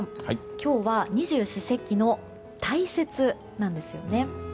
今日は二十四節気の大雪です。